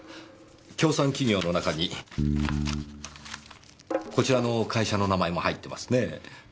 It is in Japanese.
協賛企業の中にこちらの会社の名前も入ってますねぇ。